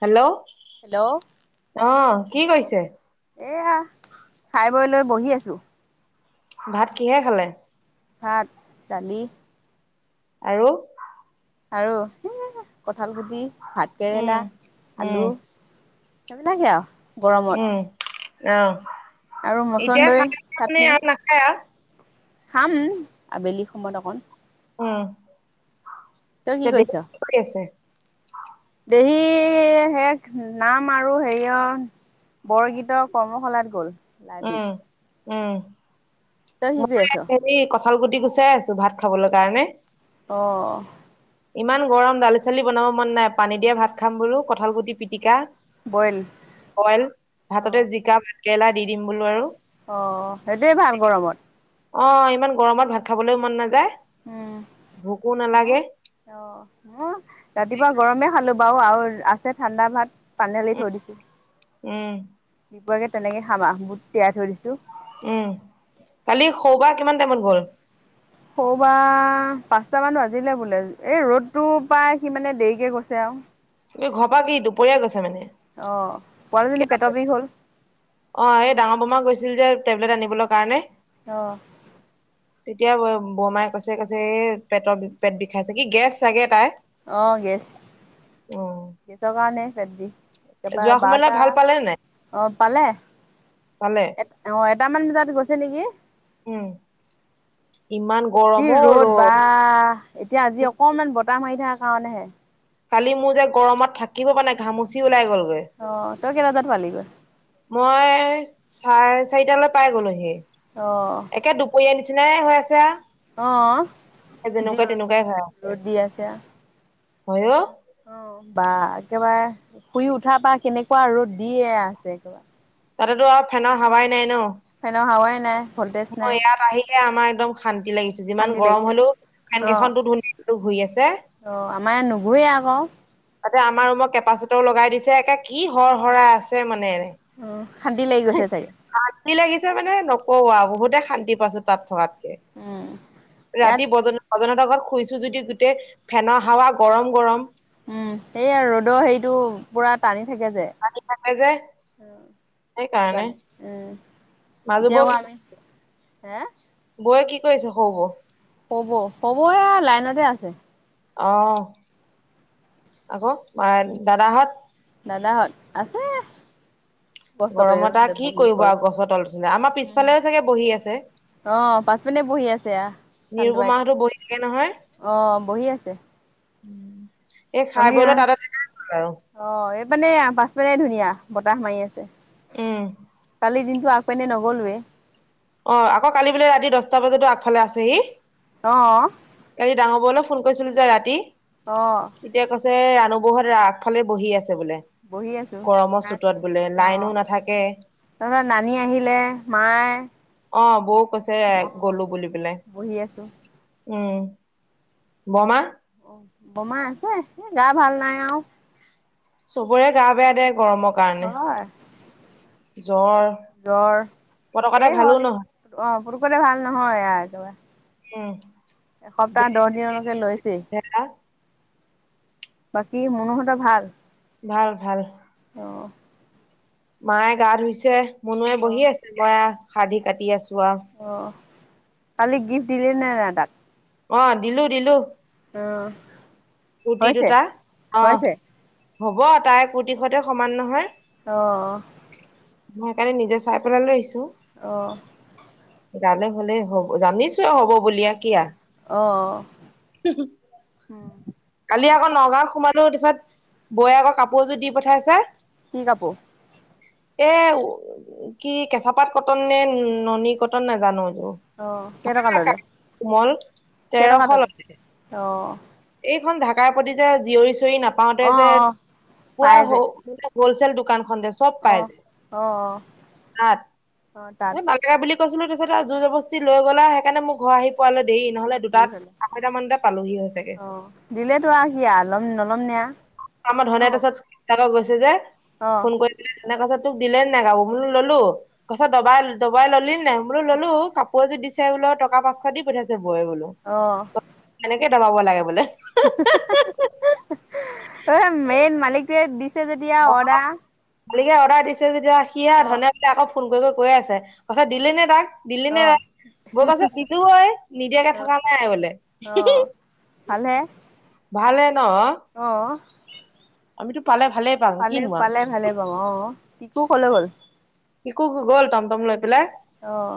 Hello hello আহ কি অ কৈছে? এয়া খাই বৈ লৈ বহি আছো ভাত কিহে খালে? ভাত দালি আৰু আৰু কঁঠালগুটি উম ভাতকেৰেলা উম আলু তমি [unintelligible] উম আহ আৰু এতিয়া মচন্দৈ খাই মানে চাটনি আৰু নাখায় আৰু খাম আবেলি সময়ত অকণ অ', তই কি কৈছ দেহি শেষ নাম আৰু হেৰিয়ৰ বৰগীতৰ কৰ্মশালাত গ'ল উম [unintelligible] তই কি উম কৰি মই আছ হেৰি কঠাল গুটি গুচাই আছো ভাত খাবলৈ কাৰণে অহ, ইমান গৰম দালি-চালি বনাব মন নাই, পানী দিয়া ভাত খাম বুলো কঁঠাল গুটি পিটিকা। বইল বইল অ ভাততে জিকা ভাতকেৰেলা দি দিম বোলো আৰু। অ সেইটোৱে ভাল গৰমত। অ ইমান গৰমত ভাত খাবলৈও মন নাযায়। উম ভোকো উ নালাগে অ উম ৰাতিপুৱা গৰমে খালো বাৰু আৰু আছে ঠাণ্ডা ভাত পানীালি থৈ দিছো। উম তেনেকে খাম আৰু বুট তিয়াই থৈ দিছো। উম কালি শৌবা কিমান টাইমত গ'ল? স'বা পাঁচটা মান বাজিলে বোলে, এই ৰ'দতটো প্ৰায় সি মানে দেৰিকে গৈছে আৰু। ঘৰা কি দুপৰীয়া গৈছে মানে। অ পোৱালিজনী পেটৰ বিষ হ'ল। অ এই ডাঙৰ বোমা গৈছিল যে টেবলেট আনিবলৈ কাৰণে। অ। তেতিয়া বৰমাই কৈছে কৈছে এ পেটৰ পেট বিষাইছে। কি গেছ চাগে তাই? অ গেছ, অ গেছৰ কাৰণে পেট বিষ। একেবাৰে যোৱা সময়লৈ বাৰটা, ভাল পালে নে নাই অ পালে। পালে এ আহ এটামান বজাত গৈছে নেকি। উম ইমান যি গৰম অ ৰ'দ বা এতিয়া আজি অকনমান বতাহ মাৰি থকা কাৰণেহে। কালি মোৰ যে গৰমত থাকিব পৰা নাই ঘামুচি ওলাই গ'ল। অ তই কেইটাতাত পালিগৈ? মই চাৰে চাৰিটালৈ পাই গলোহি, অ একে দুপৰীয়া আনিছি নিচিনে হৈ আছে আহ যেনেকুৱা জিৰ তেনেকুৱাই হৈ আছে ৰ'ত দি আছে। অ। বা একেবাৰে শুই উঠাৰ পৰা কেনেকুৱা ৰ'দ দিয়ে আছে একেবাৰে। তাতেতো আৰু ফেনৰ হাৱাই নাই ন। ফেনৰ হাৱাই নাই, ভল্টেজ অ নাই। ইয়াত আহিহে আমাৰ একদম অশান্তি লাগিছে, যিমান শান্তি গৰম লাগিছে। হ'লেও ফেন অ', কেইখনটো ধুনীয়া কেইখন [unintelligible] ঘূৰি আছে। অ আমাৰ ইয়াত নুঘূৰে আকৌ। তাতে আমাৰ ৰুমক কেপাচিটও লগাই দিছে এ কি হৰ হৰাই আছে মানে। অ শান্তি লাগি গৈছে চাগে। শান্তি লাগিছে মানে নকওঁ আৰু বহুতে শান্তি পাইছো তাত থকাত। উম, ইয়াত ৰাতি বজ্ৰ সজনৰ আগত শুইছো যদি গোটেই ফেনৰ হাৱা গৰম গৰম। উম এইয়া ৰ'দৰ হেৰিতটো পুৰা টানি থাকে যে, থাকে যে সেইকাৰণে উম। মাজু বৌ এতিয়াও কি আমি, হে? বৌয়ে কি কৰিছে সৰু বৌ। সৰু বৌ সৰু বৌ এ লাইনতে আছে। আহ আকৌ দাদাহঁত দাদাহত আছে। গছৰ গৰমত তলতে আৰু কি বহি কৰিব গৰম, আৰু গছৰতল [unintelligible] আমাৰ উম। পিছফালেও চাগে বহি আছে। অ পাচ পিনে বহি আছে এয়া। চান্দ আইত, নিৰুপমাহঁতো বহি থাকে নহয় অহ বহি আছে। [inaudible] খাই আমি বৈ অ লৈ তাতে থাকাই হ'ল আৰু অ এই পিনে পাছ পিনে ধুনীয়া বতাহ মাৰি আছে। উম। কালি দিনটো আগ পিনে নগ'লোৱে। অ আকৌ কালি বোলে ৰাতি দহটা বজাতো আগফালে আছেহি। অ কালি ডাঙৰ ব‌উ ফোন কৰিছিলো যে ৰাতি, অ তেতিয়া কৈছে ৰাণু বৌহঁতে আগফালে বহি আছে। বোলে বহি আছো গৰমৰ চোতত বোলে লাইনো নাথাকে। তাৰ পৰা নানী আহিলে মায়ে অ, বৌ কৈছে অ গলো বুলি পেলাই বহি আছো উম। বমা অ, বমা আছে। এ, গা, ভাল নাই আৰু। চবৰে গা, বেয়া দে, গৰমৰ কাৰণে। আৰু হয় জ্বৰ জ্বৰ, পতকতে এই ভালো হয়। নহয় অ, পুটকতে ভাল নহয় আৰু একেবাৰে। উম। এসপ্তাহ, বেজি দহ দিনলৈকে লৈছে। চেজা বাকী মনোহতৰ ভাল। ভাল, ভাল। আহ [unintelligible] মায়ে গা ধুইছে, মুনোৱে অ বহি আছে, মই শাৰধি কাটি আছো। আৰু অ, কালি গিফ্ট দিলে নাই দাদাক? আহ, দিলো, দিলো কুৰ্টি, হৈছে দুটা আহ। হৈছে হ'ব তাই কৰ্টিশতে সমান নহয়। অ'। ম, সেইকাৰণে নিজে চাই পেলাই লৈ আহিছো। অ'। গালে হ'লে হ'ব জানিছোৱয়ে হ'ব বিয়া কিয়? অ' উম কালি আকৌ পিকুক নগাঁওত সোমালো পিছত। বৌৱে আগৰ কাপোৰ এযোৰ দি পঠাইছা। কি কাপোৰ? এ, কি, কেঁচা, পাত কটন, নে, ননী, কটন নাজানো। অ' কেইটকা ল'লে কোমল কেইটকা তেৰশ ল। ল'লে? অ'। এইখন ঢাকাৰ প্ৰতি যে জীয়ৰী চিঞৰি নাপাওতে অ' যে অ' পুৰা পাই হ, যে মানে হলচেল দোকান। খন চব পাই। অ' যায় অ' অ' তাত এই মাল বুলি। কৈছিলো তাৰিছত জোৰ জবস্ত লৈ গ'লা। সেই কাৰনে ঘৰ আহি পাল দেৰি নহলে দেৰি দুটাত, হ'লে আঢৈটা মানতে পালোহি হৈছোগে। অ, দিলে তো আৰু কি ল'ম, নল'ম নে, আমাৰ ধনে ন। তাৰপিছত গৈছে যে অ' ফোন কৰি মানে গছত তোক দিলে নাই গাব বোলো ললো। গছত দবাই, দবাই ললি নাই বোলো, ললো কাপোৰ এ, যদি দিছে বোলো টকা পাঁচশ দি পঠিয়াইছে বৌয়ে বোলো। কেনেকে দবাব লাগে বোলে। অ, মেইন মালিকটে দিছে। যেতিয়া অৰ্ডাৰ মালিকাই অৰ্ডাৰ দিছে, যেতিয়া সিয়ে অ' ধনলে আকৌ ফোন কৰি কৈ আছে তত দিলে নে তাক। দিলি নে ৰা, অ' বৰগছত দিলো। ঐ নিদিয়াকে থকা নাই বোলে। অ' ভালহে। ভালে ন। অ' আমিতো পালে ভালেই পাম পালে, কিনো আও পালে ভালে পাম অ, তিকো কলে গল। একো গ'ল তম, তম, লৈ পেলাই। আহ।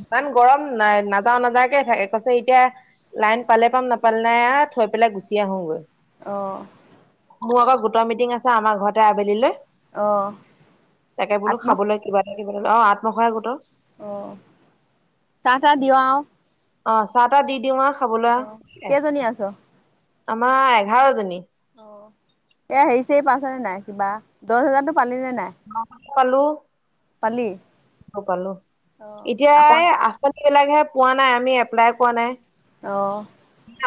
ইমান গৰম নাই, নাযাও, নাযাকে থাকে কৈছে, এতিয়া লাইন পালে পাম, নাপালে নাই, থৈ পেলাই গুচি আহোগৈ। অ'। মোৰ আকৌ গোটটা মিটিং আছে। আমাৰ ঘৰতে আবেলি লৈ। আহ, আত্ম। খাবলৈ কিবা অ, আত্মসহায়কত গোটৰ আহ, চাহ, তাহ দিওঁ আও। অ, চাহ, তাহ দি দিওঁ আও। অ, কেইজনী আছো। আমাৰ এঘাৰ জনী। এ হেৰি চেৰি পাছনে নাই কিবা দহ হোজাৰতো পালিনে নাই? পালোঁ। পালি। পালো অ এতিয়া আকৌ এই আঁচনি বিলাকহে পোৱা নাই আমি এপ্লাই কৰা নাই। অ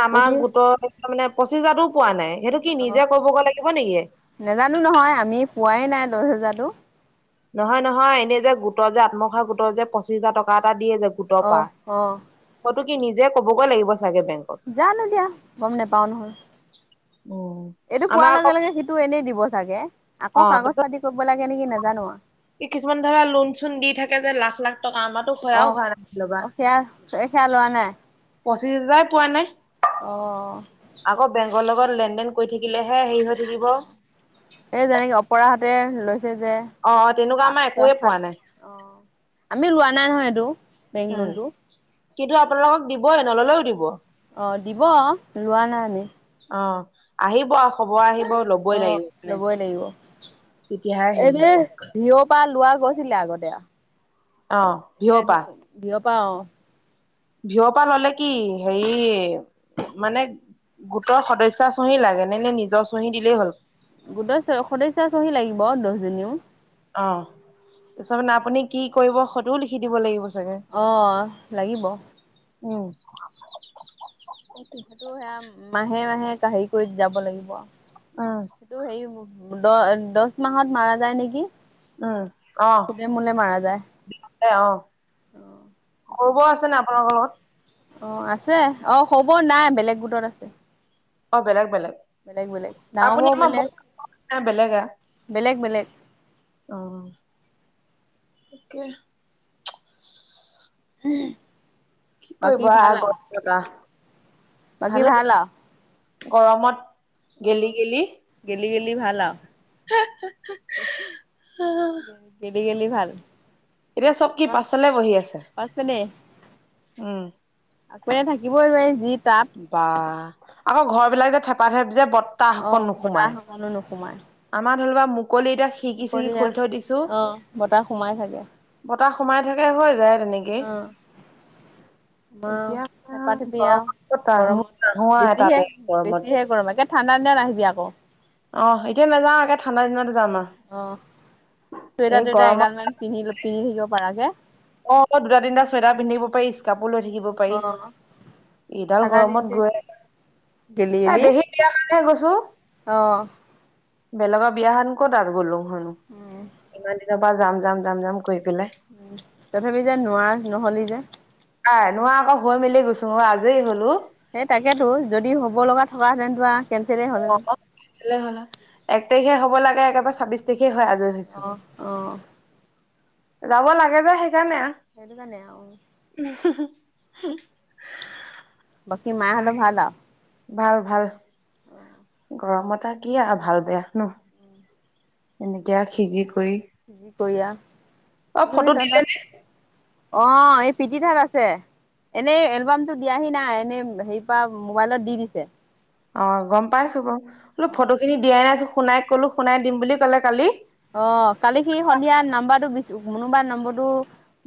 আমাৰ পঁচিছ গোটৰ মানে পঁচিছ হাজাৰটো পোৱা নাই। সেইটো কি আহ নিজে কৰিবগৈ লাগিব নেকি নেজানো নহয় আমি পোৱাই নাই দহ হেজাৰটো। নহয় নহয় এনে যে গোটৰ যে আত্মসহায়ক গোটৰ যে পচিশ হাজাৰ টকা এটা দিয়ে যে গোট অ পা অ হয়তো কি নিজে ক'বগৈ লাগিব। চাগে বেংকত যানো দিয়া গম নেপাও নহয়। এইটো পোৱাৰ আমাৰ আকৌ লগে লগে সিটো এনেই দিব চাগে আকৌ অ কাগজ তাৰপিছত পাতি কৰিব লাগে নেকি নাজান কিছুমান ধৰা লোন চোণ দি থাকে যে লাখ লাখ টকা আমাৰ টো সেয়াও অ', হোৱা লোৱা অ', সেয়া সেয়া লোৱা নাই। পঁচিছ হাজাৰ পোৱা নাই। অহ। [unintelligible] লগৰ লগত লেন দেন কৰি থাকিলে হে এই যেনেকে অপৰাহতে লৈছে যে অ তেনেকুৱা পাঁচ আমাৰ ছয় একোৱে পোৱা নাই সাত আমি লোৱা নাই নহয় এইটো। বেংক উম লোনটো কিন্তু আপোনালোকক দিবই নললেও দিব। অ', দিব লোৱা নাই আমি। অ', আহিব খবৰ আহিব। ল'বই অ', লাগিব মানে লবই লাগিব তেতিয়াহে হেৰি হব এবেলি ভিঅপা লোৱা গৈছিলে আগতে অ', ভিঅপা পাও। ভিঅপা ললে কি হেৰি মানে গোটৰ সদস্যা চহী লাগে নে নে নিজৰ চহী দিলেই হ'ল। গোটেই সদস্যাচহী লাগিব দহজনীও। অহ, তাৰ মানে আপুনি কি কৰিব সেইটোও লিখি দিব লাগিব। চাগে অহ লাগিব। উম। সেইটো সেয়া মাহে মাহে হেৰি কৰি যাব লাগিব উম সেইটো হেৰী দহ দচ মাহত মাৰা যায় নেকি? উম, অহ। খুদে মোলে মাৰা যায় অ', অ সৰু বৌ তেনেকুৱা আছে নে আপোনালোকৰ লগত অ', আছে অ', সও বৌ নাই বেলেগ গোটত আছে। অ', বেলেগ বেলেগ। বেলেগ বেলেগ ডাঙৰ আপুনি বৌ আমাৰ ব বেলেগ বেলেগে বেলেগ বেলেগ অ', অকে উ [unintelligible] কি কৰিব আহ গটকা। বাকী ভাল আও। গৰমত অ গেলি গেলি গেলি গেলি ভাল আও গেলি গেলি ভাল। এতিয়া চব কি আমাৰ পাছলে বহি আছে। দুপৰীয়া থাকিবই লোৱাৰি। বাহ আকৌ ঘৰ বিলাক যে থেপা থেপ যে বতাহ অ অকণ বতাহ নোসোমাই। অকনো নোসোমাই আমাৰ ধৰিওবা মুকলি এতিয়া খিকি চিকি দুপৰীয়া খুলি থৈ দিছো অ বতাহ সোমাই থাকে বত তা সোমাই থাকে হৈ যায় তেনেকেই [inaudible] আমা আ, এতিয়া ঠেপা থেপি আৰু, গৰমত ক'ত মোৰ নাহো গৰমত আৰু বেছিহে তালে গৰমত বেছিহে গৰম লাগে। ঠাণ্ডা দিনা নাহিবি আকৌ। অ' এতিয়া নাযাওঁ একে ঠাণ্ডা দিনতে যাম আৰু। অ এই চুৱেটাৰ টুৱেটাৰ গৰমত এগালমান পিন্ধ-পিন্ধি থাকিব পাৰাকে অ' দুটা তিনিটা চুৱেটাৰ পিন্ধিব পাৰি ইস্কাপ বোৰ লৈ থাকিব পাৰি। এইডাল ঠাণ্ডা গৰমত দিনটো গৈ গেলি এই গেলি দেহি দিয়াৰ কাৰণহে গৈছোঁ। উম। বেলেগৰ বিয়াখন ক'ত আৰু গ'লো হনো, ইমান দিনৰ পৰা যাম যাম যাম যাম কৰি পেলাই তথাপি যে নোৱাৰা নহ'লি যে। কাই নোৱা আকৌ হৈ মেলি গৈছে। সেই তাকেইেতো, যদি হ'ব লগা থকাহেঁতে টো আ অ' এক তাৰিখে হ'ব লাগে একেবাৰে ছাব্বিশ তাৰিখে হয় আজৰি হৈছো অ', অ'। যাব লাগে যে সেইকাৰণে আৰ। সেইটো কাৰণে আৰু [unintelligible] বাকী মাহঁতৰ ভালা আ? ভাল ভাল। তা কি আৰু ভাল বেয়া ন'। এনেকে সিজি কৰি বঢ়িয়া। অ' ফটো দিলেনে? অ' এই পিতিৰ তাত আছে। এনে এলবামটো দিয়াহি নাই, এনে হেৰিপা মোবাইলত দি দিছে। অ' গম পাইছোঁ বাৰু। বোলো অ'। ফটোখিনি দিয়াই নাই যে, শুনাইক কলো শুনাই দিম বুলি কলে কালি। অ' কালি সি সন্ধিয়া নাম্বৰটো বি মোনোবাৰ নম্বৰটো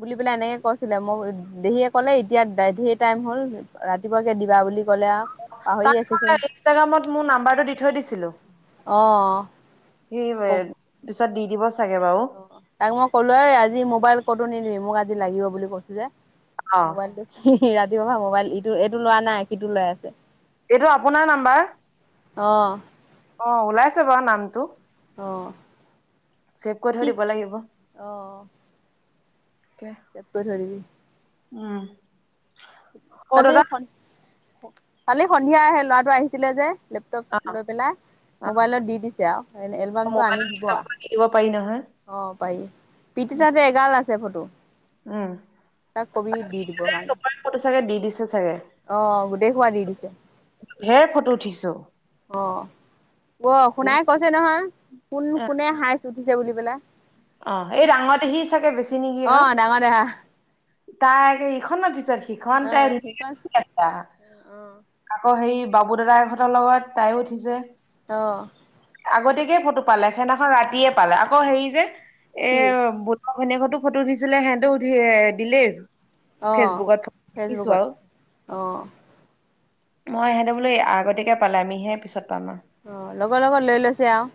বুলি পেলাই এনেকে কৈছিলে মোক দেহিয়ে কলে এতিয়া ধেৰ টাইম হ'ল ৰাতিপুৱাকে দিবা বুলি ক'লে আৰু পাহৰি আছে সি তাৰ ইনষ্টাগ্ৰামত মোৰ নাম্বাৰটো দি থৈ দিছিলোঁ। অ', সেই পিছত দি দিব চাগে বাৰু অ' তাক মই ক'লো এ, আজি মোবাইল ক'তো নিদিবি, মোক আজি লাগিব বুলি কৈছোঁ যে। অ মোবাইলটো, ৰাতিপুৱা পৰা মোবাইল ইটো এইটো লোৱা নাই সিটো লৈ আছে। এইটো আপোনাৰ নাম্বাৰ? অ'। অ' ওলাইছে বাৰু নামটো। অ'। চেভ কৰি থৈ কি দিব লাগিব। চেফ কৰি থৈ দিবি। উম। সৰু কালি সন কলি সন্ধিয়া হেই ল'ৰাটো আহিছিলে যে দাদা অ লেপটপটো লৈ পেলাই, অ', মোবাইলত দি দিছে আৰু। এ, এলবামটো আনি মোবাইলত দিব লেপটপৰ আৰু। পৰা দি দিব পাৰি নহয়, অ' পাৰি। প্ৰিতিৰ তাত এগাল আছে ফটো। উম। তাক কবি দিব এ কাৰণে। চবৰে ফটো চাগে দি দিছে চাগে, অ' গোটেই খোপা দি দিছে? ঢেৰ ফটো উঠিছো। অ'। অ' এ শুনাই কৈছে নহয়, কোন কোনে হায়েচ উঠিছে বুলি পেলাই। অ' এই ডাঙতে আহি চাগে বেছি নেকি আকৌ। অঁ ডাঙৰ দেহা তাৰ আগে এইখন নে পিছত? সিখনতে অঁ সিকণ আছা অঁ আকৌ হেৰি বাবু দাদাহঁতৰ লগত তাইয়ো উঠিছে। অ'। আগতিয়াকে ফটো পালে, সেদিনাখন ৰাতিয়ে পালে আকৌ হেৰি যে এ, কি বট ভইনিয়েকতো ফটো দিছিলে সিহঁতেও উঠি দিলেই। অঁ ফেচবুকত দেখিছোঁ ফেচবুকত আৰু। অঁ মই সিহঁতে বোলো আগতিয়াকে পালে, আমিহে পিছত পাম আৰু। অ' লগে লগত লৈ লৈছে আৰু।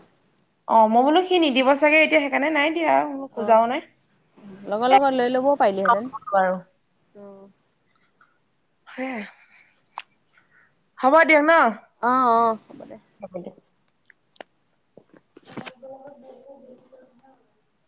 অ' মই বোলো সি নিদিব চাগে এতিয়া সেইকাৰণে নাই। সেয়া মই অঁ খোজাও নাই। লগৰ লগত লৈ ল'বও পাৰিলিহেঁতেন অঁ হে হ'ব দিয়ক ন'? অ', অ'। [unintelligible] [unintelligible]